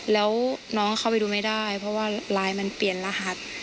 แล้วน้องเข้าไปดูไม่ได้เพราะว่าไลน์มันเปลี่ยนรหัส